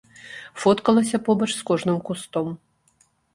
Фоткалася побач з кожным кустом.